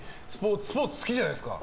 スポーツ好きじゃないですか。